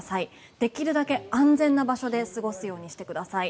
できるだけ安全な場所で過ごすようにしてください。